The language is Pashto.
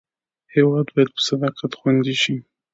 هېواد باید په صداقت خوندي شي.